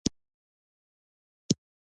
مصري متل وایي اورېدل شوې موسیقي ارزښت لري.